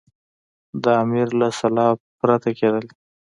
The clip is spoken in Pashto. د امیر له سلا پرته کېدلې.